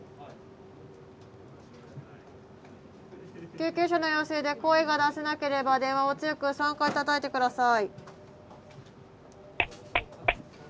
救急車の要請で声が出せなければ電話を強く３回たたいて下さい。